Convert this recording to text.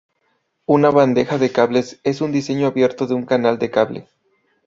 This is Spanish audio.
Una bandeja de cables es un diseño abierto de un canal de cable.